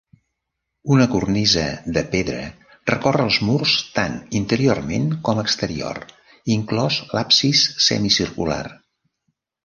Una cornisa de pedra recorre els murs tant interiorment com exterior, inclòs l'absis semicircular.